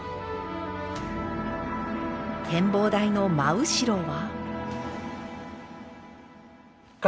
展望台の真後ろは。